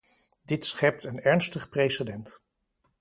Dit schept een ernstig precedent.